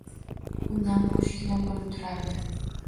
U namxushgina bo‘lib turardi.